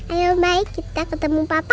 ayo baik kita ketemu papa